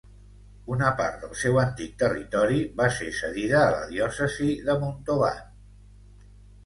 Una part del seu antic territori va ser cedida a la diòcesi de Montauban.